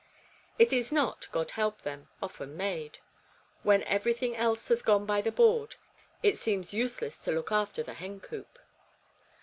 It is not, Grod help them, often made ; when everything else has gone by the board, it seems useless to look after the hen coop.